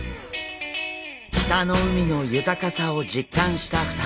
北の海の豊かさを実感した２人。